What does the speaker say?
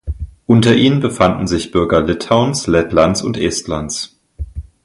Unter ihnen befanden sich Bürger Litauens, Lettlands und Estlands.